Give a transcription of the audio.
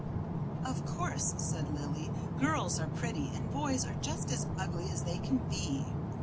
"Of course," said Lily, "girls are pretty, and boys are just as ugly as they can be."